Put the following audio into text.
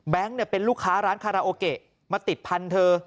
เป็นลูกค้าร้านคาราโอเกะมาติดพันธุ์เธอ